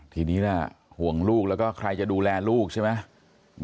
ทีนี้ล่ะห่วงลูกแล้วก็ใครจะดูแลลูกใช่ไหม